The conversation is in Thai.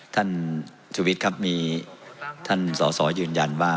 ท่านสุวิทย์ครับมีท่านส่อยืนยันว่า